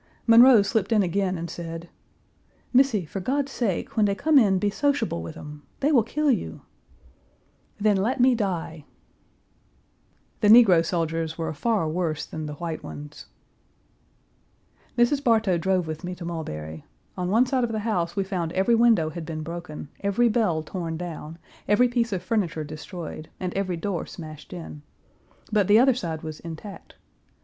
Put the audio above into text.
Monroe slipped in again and said: "Missy, for God's sake, when dey come in be sociable with 'em. Dey will kill you." "Then let me die." The negro soldiers were far worse than the white ones. Mrs. Bartow drove with me to Mulberry. On one side of the house we found every window had been broken, every bell torn down, every piece of furniture destroyed, and every door smashed in. But the other side was intact.